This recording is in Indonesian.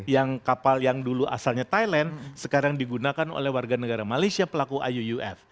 yang kapal yang dulu asalnya thailand sekarang digunakan oleh warga negara malaysia pelaku iuuf